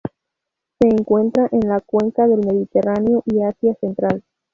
Se encuentra en la cuenca del Mediterráneo y Asia central.